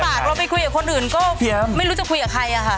เราไปคุยกับคนอื่นก็ไม่รู้จะคุยกับใครอะค่ะ